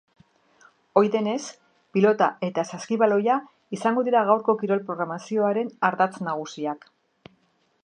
Ohi denez, pilota eta saskibaloia izango dira gaurko kirol programazioaren ardatz nagusiak.